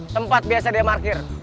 tempat biasa dia markir